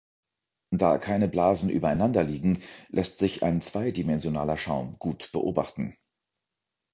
Da keine Blasen übereinander liegen, lässt sich ein zweidimensionaler Schaum gut beobachten.